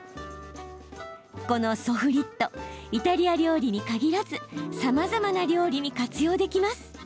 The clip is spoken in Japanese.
このソフリットイタリア料理に限らずさまざまな料理に活用できます。